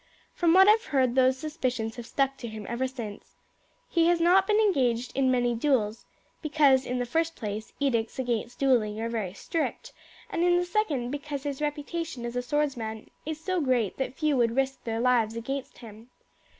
"From what I have heard those suspicions have stuck to him ever since. He has not been engaged in many duels, because in the first place edicts against duelling are very strict, and in the second because his reputation as a swordsman is so great that few would risk their lives against him.